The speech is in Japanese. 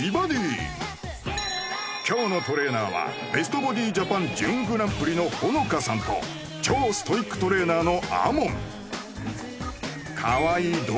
今日のトレーナーはベストボディジャパン準グランプリのほのかさんと超ストイックトレーナーのＡＭＯＮ